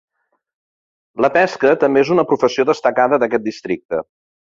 La pesca també és una professió destacada d'aquest districte.